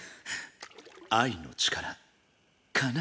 愛の力かな。